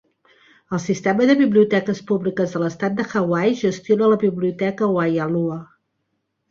El sistema de biblioteques públiques de l'estat de Hawaii gestiona la biblioteca Waialua.